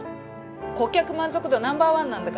顧客満足度ナンバー１なんだから。